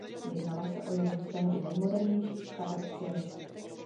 Jednalo se o jednu z tehdy nejmodernějších staveb v zemi.